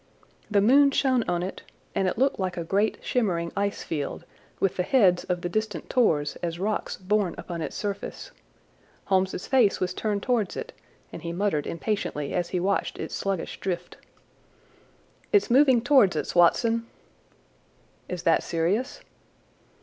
The moon shone on it, and it looked like a great shimmering ice field, with the heads of the distant tors as rocks borne upon its surface. Holmes's face was turned towards it, and he muttered impatiently as he watched its sluggish drift. "It's moving towards us, Watson." "Is that serious?"